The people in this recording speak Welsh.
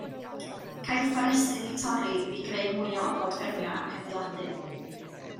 Caiff fforestydd eu torri i greu mwy o ofod ffermio ac adeiladu.